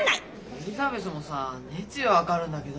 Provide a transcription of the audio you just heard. エリザベスもさ熱意は分かるんだけど。